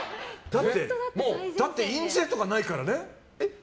だって、印税とかないからね。